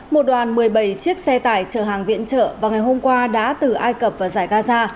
một đoàn một mươi bảy chiếc xe tải chở hàng viện trợ vào ngày hôm qua đã từ ai cập vào giải gaza